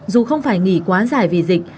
dù không phải nghỉ quá dài vì dịch